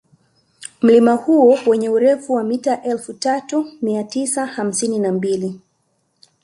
Mlima huo wenye urefu wa mita elfu tatu mia tisa hamsini na mbili